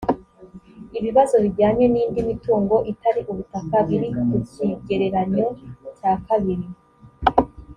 ibibazo bijyanye n’indi mitungo itari ubutaka biri ku kigereranyo cya kabiri